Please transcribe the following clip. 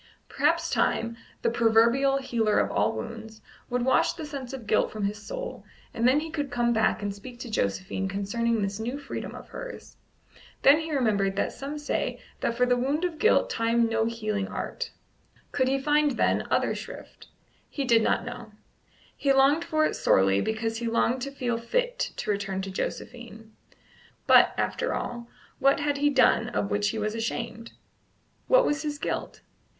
Perhaps Time, the proverbial healer of all wounds, would wash the sense of guilt from his soul, and then he could come back and speak to Josephine concerning this new freedom of hers. Then he remembered that some say that for the wound of guilt Time no healing art. Could he find, then, other shrift? He did not know. He longed for it sorely, because he longed to feel fit to return to Josephine. But, after all, what had he done of which he was ashamed? What was his guilt?